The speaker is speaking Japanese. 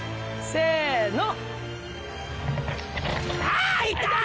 せの。